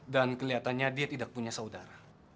kelihatannya dia tidak punya saudara